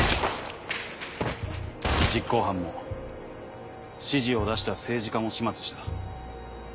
実行犯も指示を出した政治家も始末した。